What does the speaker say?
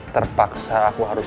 terpaksa aku harus